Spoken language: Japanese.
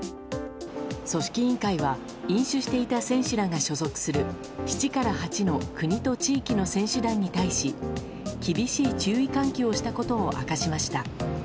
組織委員会は飲酒していた選手らが所属する７から８の国と地域の選手団に対し厳しい注意喚起をしたことを明かしました。